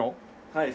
はい。